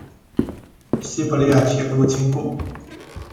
西伯利亚铁路经过。